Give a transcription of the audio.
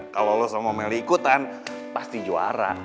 kalau lo sama meli ikutan pasti juara